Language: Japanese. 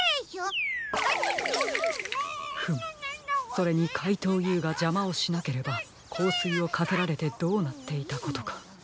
それにかいとうＵがじゃまをしなければこうすいをかけられてどうなっていたことか。